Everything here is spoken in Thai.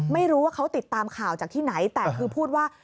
ไม่รู้ว่าเขาติดตามข่าวจากที่ไหนแต่คือพูดว่า